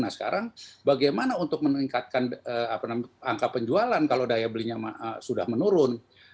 nah sekarang bagaimana untuk meningkatkan angka penjualan kalau daya belinya sudah menurun